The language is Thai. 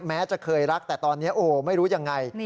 แม้จะเคยรักแต่ตอนนี้โอ้โหไม่รู้ยังไง